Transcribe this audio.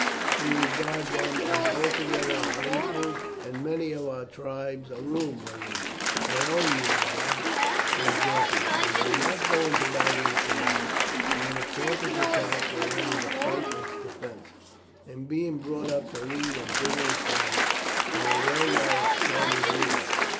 We regard them as altogether our equals, and many of our tribes are ruled by women. My own, you know, for example. They do not go into battle with the men; but when a camp is attacked they are ready to fight in its defence, and being brought up to lead a vigorous life, they are well nigh as strong as we are.